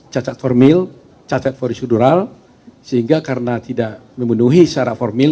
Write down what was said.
cacat formil cacat prosedural sehingga karena tidak memenuhi syarat formil